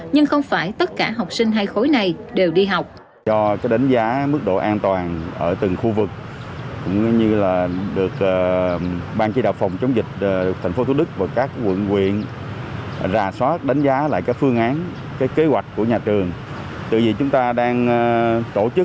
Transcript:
nhưng không phải tất cả học sinh hai khối này đều đi học